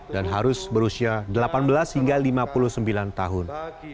dan harus berusia delapan belas hingga lima puluh sembilan tahun